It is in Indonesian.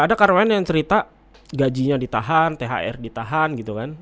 ada karon yang cerita gajinya ditahan thr ditahan gitu kan